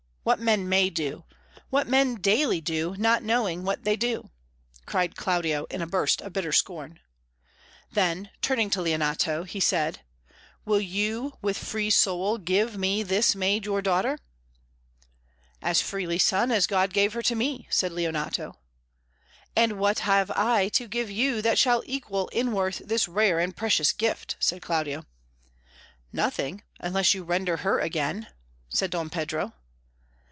what men may do! what men daily do, not knowing what they do!" cried Claudio, in a burst of bitter scorn. Then, turning to Leonato, he said: "Will you with free soul give me this maid, your daughter?" [Illustration: There, Leonato, take her back again.] "As freely, son, as God gave her to me," said Leonato. "And what have I to give you that shall equal in worth this rare and precious gift?" said Claudio. "Nothing, unless you render her again," said Don Pedro.